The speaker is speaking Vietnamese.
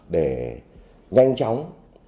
để nhanh chóng